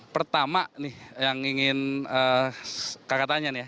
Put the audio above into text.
pertama nih yang ingin kakak tanya nih ya